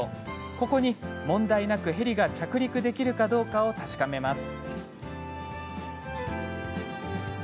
ここに、問題なくヘリが着陸できるかどうかを確かめます。